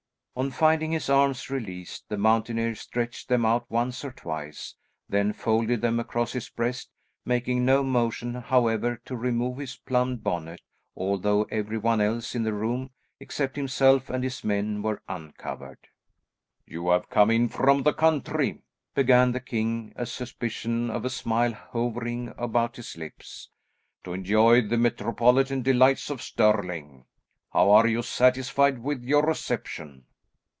On finding his arms released, the mountaineer stretched them out once or twice, then folded them across his breast, making no motion however to remove his plumed bonnet, although every one else in the room except himself and his men were uncovered. "You have come in from the country," began the king, a suspicion of a smile hovering about his lips, "to enjoy the metropolitan delights of Stirling. How are you satisfied with your reception?"